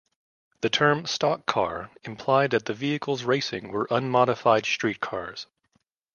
The term "stock car" implied that the vehicles racing were unmodified street cars.